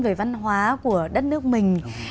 về văn hóa của đất nước mình